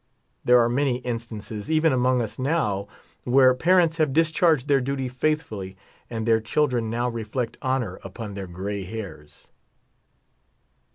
There are many instances, even among us now, where parents have discharged their duty faithfully, and their children now reflect honor upon their gray hairs.